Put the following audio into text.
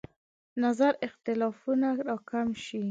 نظر اختلافونه راکم شي.